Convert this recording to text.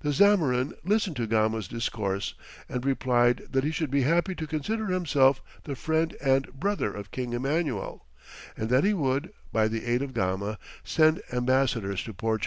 The Zamorin listened to Gama's discourse, and replied that he should be happy to consider himself the friend and brother of King Emmanuel, and that he would, by the aid of Gama, send ambassadors to Portugal.